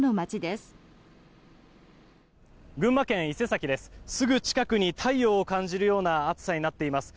すぐ近くに太陽を感じるような暑さになっています。